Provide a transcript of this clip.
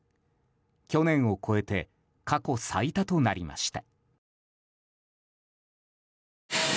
去年を超えて過去最多となりました。